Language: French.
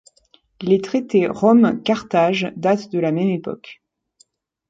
Les traités Rome-Carthage datent de la même époque.